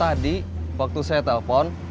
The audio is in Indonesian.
tadi waktu saya telepon